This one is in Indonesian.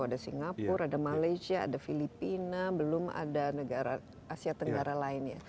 ada singapura ada malaysia ada filipina belum ada negara asia tenggara lainnya